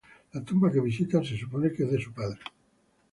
La tumba que visitan se supone que es de su padre.